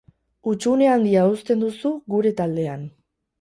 Hutsune handia uzten duzu gure taldean.